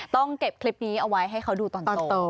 ต้องเก็บคลิปนี้เอาไว้ให้เขาดูตอนโต